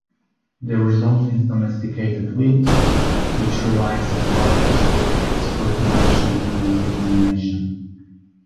The result is domesticated wheat, which relies on farmers for its reproduction and dissemination.